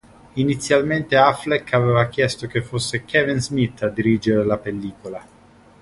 Inizialmente Affleck aveva chiesto che fosse Kevin Smith a dirigere la pellicola.